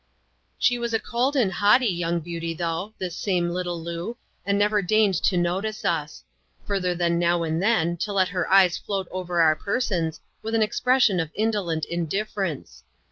She was a cold and haughty young beauty though, this same little Loo, and never deigned to notice us ; further than now and then to let her eyes float over our persons, with an expres fiion'of indolent indifference.